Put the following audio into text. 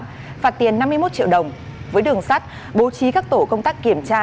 phạt tiền năm mươi một triệu đồng với đường sắt bố trí các tổ công tác kiểm tra